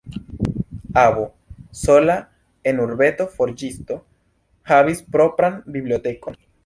Avo, sola en urbeto forĝisto, havis propran bibliotekon.